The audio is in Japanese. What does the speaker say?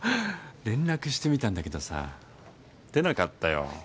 連絡してみたんだけどさ出なかったよ。